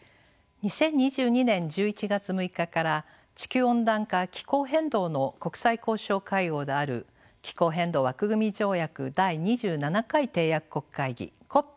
２０２２年１１月６日から地球温暖化気候変動の国際交渉会合である気候変動枠組条約第２７回締約国会議ＣＯＰ